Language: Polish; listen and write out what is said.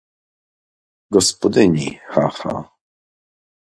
"Gospodyni... cha... cha..."